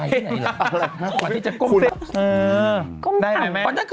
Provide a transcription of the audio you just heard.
อะไรมันอะไรควรที่จะก้มตำ